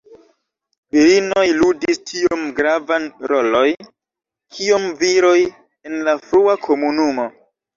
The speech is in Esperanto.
Virinoj ludis tiom gravan roloj kiom viroj en la frua komunumo.